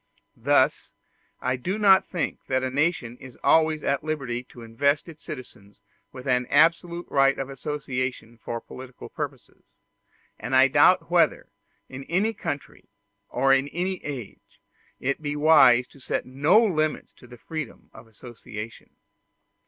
Thus I do not think that a nation is always at liberty to invest its citizens with an absolute right of association for political purposes; and I doubt whether, in any country or in any age, it be wise to set no limits to freedom of association.